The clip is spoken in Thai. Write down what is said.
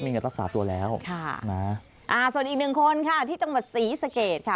มีเงินละ๓ตัวแล้วมาส่วนอีก๑คนค่ะที่จังหวัดสีสเกดค่ะ